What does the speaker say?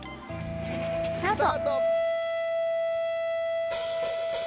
スタート！